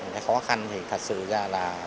cái khó khăn thì thật sự ra là